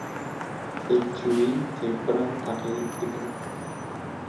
Têkçûyî, têkbiran teqlîd dikin.